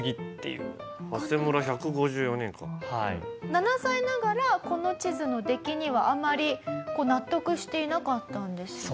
７歳ながらこの地図の出来にはあんまり納得していなかったんですよね？